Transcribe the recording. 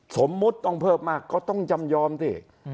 สมมุติต้องเพิ่มมากก็ต้องจำยอมสิ